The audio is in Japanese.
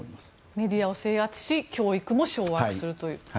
メディアを制圧し教育も掌握すると。